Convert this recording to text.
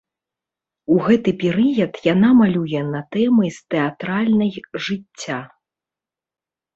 У гэты перыяд яна малюе на тэмы з тэатральнай жыцця.